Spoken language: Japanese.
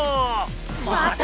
また！？